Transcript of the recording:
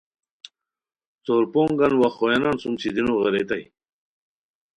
سور پونگان وا خویانان سُم چیدینو غیریتائے